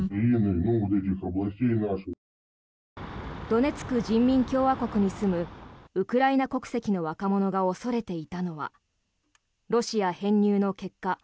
ドネツク人民共和国に住むウクライナ国籍の若者が恐れていたのはロシア編入の結果